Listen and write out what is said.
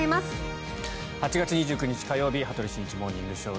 ８月２９日、火曜日「羽鳥慎一モーニングショー」。